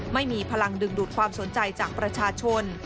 ไม่มีพลังดึงดูดความสนใจจากประชาชน